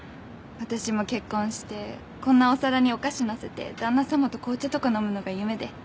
私も結婚してこんなお皿にお菓子載せて旦那様と紅茶とか飲むのが夢で。